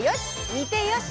煮てよし！